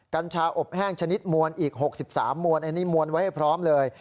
กัญชาอบแห้งชนิดมวลอีก๖๓มวลอันนี้มวลไว้ให้พร้อมเลย